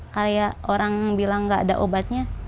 kayak orang bilang gak ada obatnya